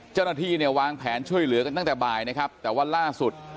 เจ้าหน้าที่เนี่ยวางแผนช่วยเหลือกันตั้งแต่บ่ายนะครับแต่ว่าล่าสุด